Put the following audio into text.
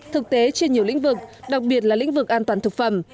thực tế trên nhiều lĩnh vực đặc biệt là lĩnh vực an toàn thực phẩm